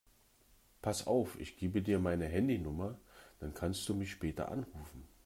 Pass auf, ich gebe dir meine Handynummer, dann kannst du mich später anrufen.